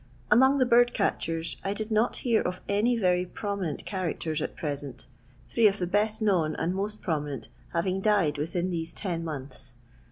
Among the bird catchers I did not hear of any very prominent characters at present, three of the best known and most prominent having died within these ten months.